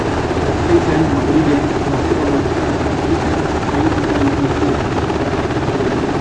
Gasteizen, Madrilen, Bartzelonan eta Parisen egin zituen Pintura ikasketak.